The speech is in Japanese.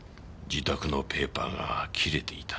自宅のペーパーが切れていたんだ。